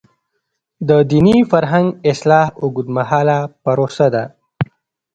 د دیني فرهنګ اصلاح اوږدمهاله پروسه ده.